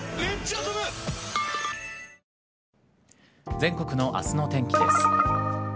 全国の明日の天気です。